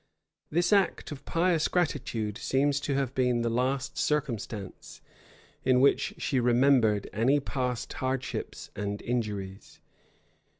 This act of pious gratitude seems to have been the last circumstance in which she remembered any past hardships and injuries.